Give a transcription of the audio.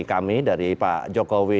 kami dari pak jokowi